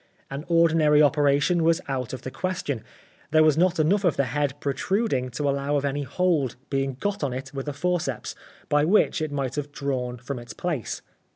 An ordinary operation was out of the question ; there was not enough of the head protruding to allow of any hold being got on it with a forceps by which it might have drawn from its place.